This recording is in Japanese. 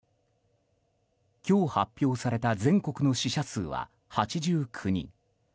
今日、発表された全国の死者数は８９人。